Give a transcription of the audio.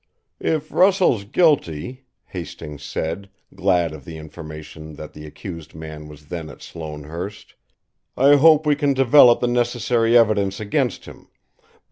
"If Russell's guilty," Hastings said, glad of the information that the accused man was then at Sloanehurst, "I hope we can develop the necessary evidence against him.